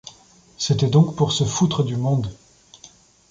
C’était donc pour se foutre du monde!